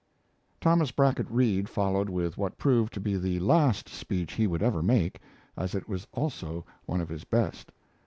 Thomas Brackett Reed followed with what proved to be the last speech he would ever make, as it was also one of his best.